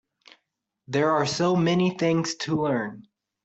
There are so many things to learn.